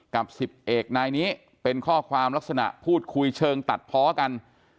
กับ๑๐เอกนายนี้เป็นข้อความลักษณะพูดคุยเชิงตัดเพาะกัน